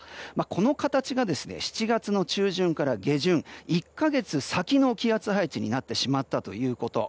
この形が７月の中旬から下旬１か月先の気圧配置になってしまったということ。